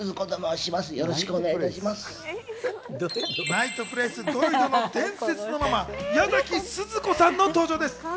ナイトプレス・ドイドの伝説のママ、矢崎すず子さんの登場です。